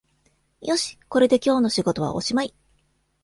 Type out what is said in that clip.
よし、これで今日の仕事はおしまい